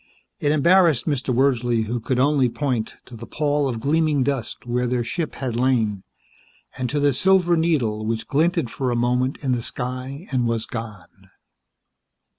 It embarrassed Mr. Wordsley, who could only point to the pall of gleaming dust where their ship had lain, and to the silver needle which glinted for a moment in the sky and was gone.